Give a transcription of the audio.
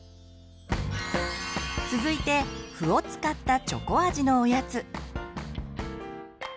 続いて麩を使ったチョコ味のおやつ。